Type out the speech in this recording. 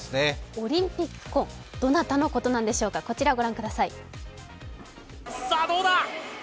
オリンピック婚、どなたのことなんでしょうか、こちらを御覧ください。